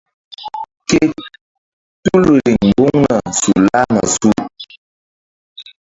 Ke tul riŋ mbuŋna su lahna su.